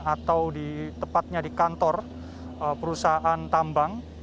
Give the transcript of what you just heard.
atau di tepatnya di kantor perusahaan tambang